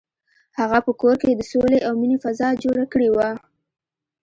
هغه په کور کې د سولې او مینې فضا جوړه کړې وه.